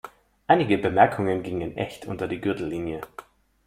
Einige Bemerkungen gingen echt unter die Gürtellinie.